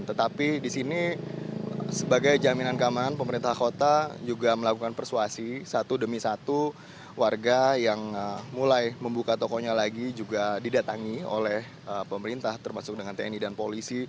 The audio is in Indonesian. tetapi di sini sebagai jaminan keamanan pemerintah kota juga melakukan persuasi satu demi satu warga yang mulai membuka tokonya lagi juga didatangi oleh pemerintah termasuk dengan tni dan polisi